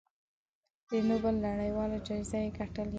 د نوبل نړیواله جایزه یې ګټلې ده.